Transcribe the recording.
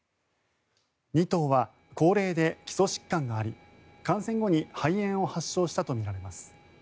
２頭は高齢で基礎疾患があり感染後に肺炎を発症したとみられます。